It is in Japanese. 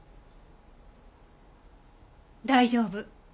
大丈夫。